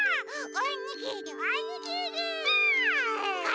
おにぎりおにぎり！